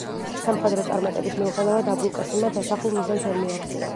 სამხედრო წარმატების მიუხედავად აბულ კასიმმა დასახულ მიზანს ვერ მიაღწია.